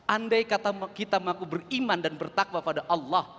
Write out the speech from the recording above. andai kata kita mampu beriman dan bertakwa pada allah